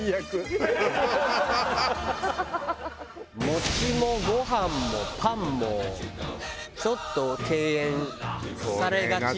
餅もご飯もパンもちょっと敬遠されがち。